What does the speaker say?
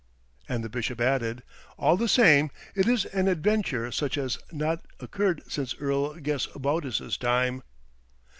And the Bishop added, "All the same. It is an adventure such as has not occurred since Earl Gesbodus's time."